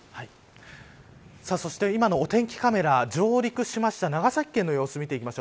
そして、今のお天気カメラ上陸しました長崎県の様子を見ていきます。